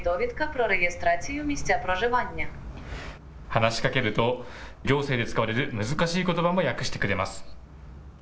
話しかけると行政で使われる難しいことばも訳してくれます。